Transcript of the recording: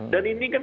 dan ini kan